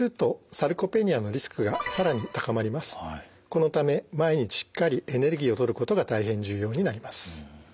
このため毎日しっかりエネルギーをとることが大変重要になります。